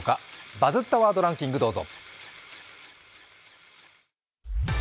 「バズったワードランキング」どうぞ。